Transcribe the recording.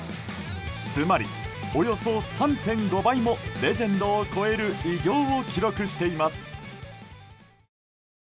つまり、およそ３．５倍もレジェンドを超える偉業を記録しています。